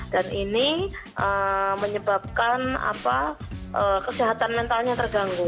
dan ini menyebabkan kesehatan mentalnya terganggu